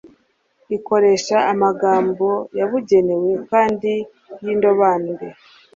ikoresha amagambo yabugenewe kandi y'indobanure